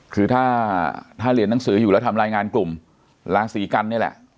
คือถ้าถ้าเรียนหนังสืออยู่แล้วทำรายงานกลุ่มราศีกันนี่แหละ